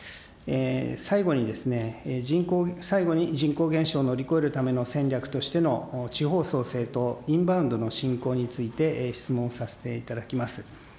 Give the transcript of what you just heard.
最後にですね、最後に人口減少を乗り越えるための戦略としての地方創生とインバウンドの振興について質問させていただきます。